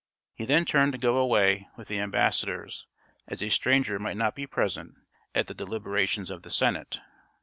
He then turned to go away with the ambassadors, as a stranger might not be present at the deliberations of the Senate.